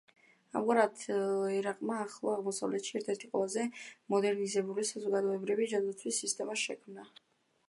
ამგვარად, ერაყმა ახლო აღმოსავლეთში ერთ-ერთ ყველაზე მოდერნიზებული საზოგადოებრივი ჯანდაცვის სისტემა შექმნა.